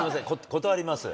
断ります。